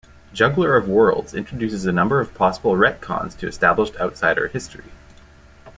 "Juggler of Worlds" introduces a number of possible retcons to established Outsider history.